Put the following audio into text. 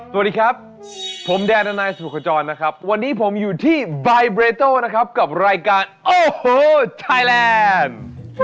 สวัสดีครับผมแดนอนัยสุขจรนะครับวันนี้ผมอยู่ที่ไบเรโต้นะครับกับรายการโอ้โหไทยแลนด์